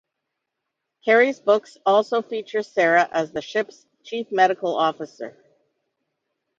Carey's books also feature Sarah as the ship's chief medical officer.